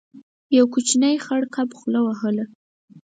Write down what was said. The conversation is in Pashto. يو کوچنی خړ کب خوله وهله.